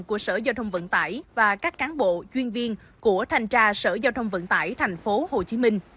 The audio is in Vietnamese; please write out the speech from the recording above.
của sở giao thông vận tải và các cán bộ chuyên viên của thành tra sở giao thông vận tải tp hcm